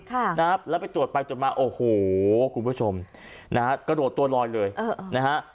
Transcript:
ค่ะนะฮะแล้วไปตรวจไปตรวจมาโอ้โหคุณผู้ชมนะฮะกระโดดตัวลอยเลยเออนะฮะ